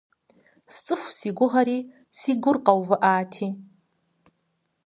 ЦӀыху си гугъэри си гур къэувыӀати!